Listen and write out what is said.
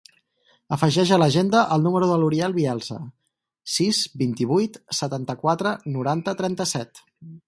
Afegeix a l'agenda el número de l'Uriel Bielsa: sis, vint-i-vuit, setanta-quatre, noranta, trenta-set.